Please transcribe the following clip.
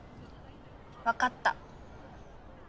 わかった。